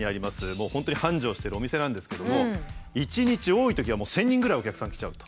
もう本当に繁盛してるお店なんですけども１日多いときは１，０００人ぐらいお客さん来ちゃうと。